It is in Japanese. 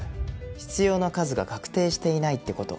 必要な数が確定していないって事。